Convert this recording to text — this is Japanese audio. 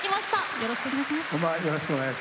よろしくお願いします。